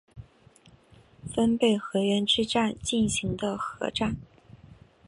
分倍河原之战进行的合战。